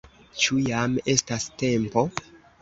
Ĉu jam estas tempo?